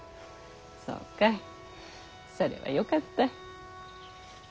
そうかいそれはよかったい。